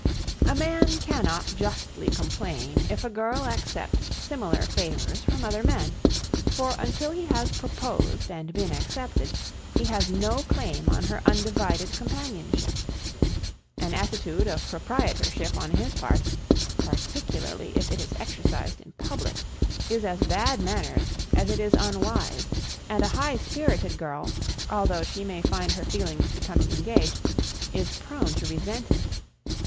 A man cannot justly complain if a girl accepts similar favors from other men, for until he has proposed and been accepted he has no claim on her undivided companionship. An attitude of proprietorship on his part, particularly if it is exercised in public, is as bad manners as it is unwise, and a high spirited girl, although she may find her feelings becoming engaged, is prone to resent it.